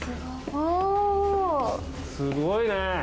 すごいね！